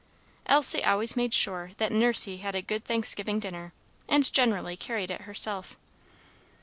Elsie always made sure that "Nursey" had a good Thanksgiving dinner, and generally carried it herself.